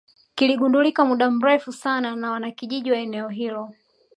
kiligundulika muda mrefu sana na wanakijiji wa eneo hilo